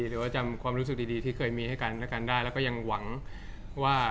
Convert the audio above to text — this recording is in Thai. หรือว่าจำความรู้สึกดีที่เคยมีให้กันและกันได้แล้วก็ยังหวังว่า